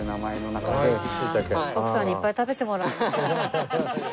徳さんにいっぱい食べてもらわなきゃ。